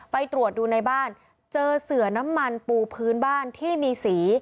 ไปตรวจดูในบ้านเจอเสือน้ำมันปูพื้นบ้านที่มีสี